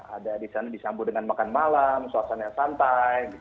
ada di sana disambut dengan makan malam suasana santai